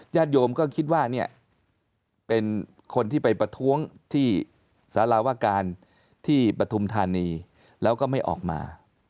โยมก็คิดว่าเนี่ยเป็นคนที่ไปประท้วงที่สารวการที่ปฐุมธานีแล้วก็ไม่ออกมา